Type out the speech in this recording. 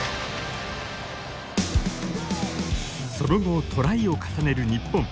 その後、トライを重ねる日本。